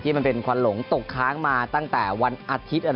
มันเป็นควันหลงตกค้างมาตั้งแต่วันอาทิตย์